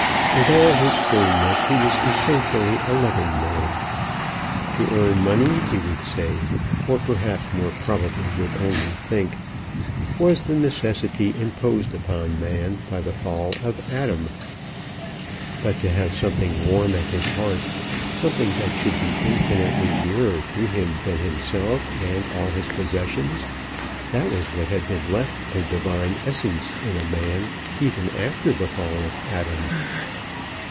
With all his sternness he was essentially a loving man. To earn money he would say or perhaps more probably would only think was the necessity imposed upon man by the Fall of Adam; but to have something warm at his heart, something that should be infinitely dearer to him than himself and all his possessions, that was what had been left of Divine Essence in a man even after the Fall of Adam.